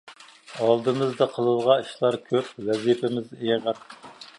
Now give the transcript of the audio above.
ئالدىمىزدا قىلىدىغان ئىشلار كۆپ، ۋەزىپىمىز ئېغىر.